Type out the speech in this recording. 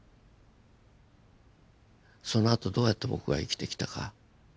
そのあとどうやって僕が生きてきたか。